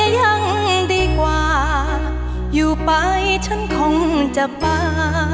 ยังดีกว่าอยู่ไปฉันคงจะบ้า